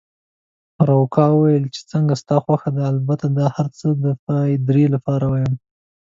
روکا وویل: چې څنګه ستا خوښه ده، البته دا هرڅه د پادري لپاره وایم.